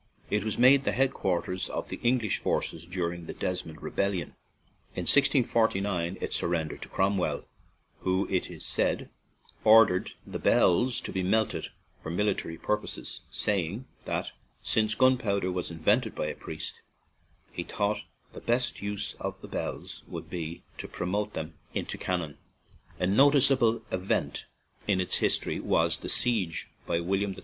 It was made the headquarters of the English forces during the Desmond rebellion. In 1649 it surrendered to Crom well, who is said to have ordered the bells to be melted for military purposes, saying that, "since gunpowder was invented by 131 ON AN IRISH JAUNTING CAR a priest, he thought the best use for bells would be to promote them into cannons." A noticeable event in its history was the siege by William III.'